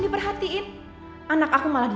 dia udah dibawah kita ya